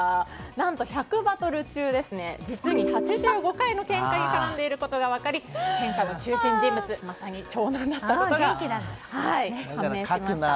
何と１００バトル中実に８５回のけんかに絡んでいることが分かりけんかの中心人物は長男だったことが判明しました。